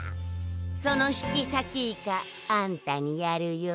その引きさきイカあんたにやるよ。